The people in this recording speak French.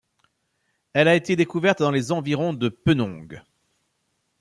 Elle a été découverte dans les environs de Penong.